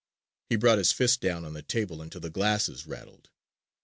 He brought his fist down on the table until the glasses rattled.